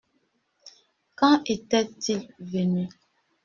Quand était-il venu ?